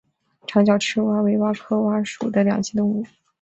长脚赤蛙为蛙科蛙属的两栖动物。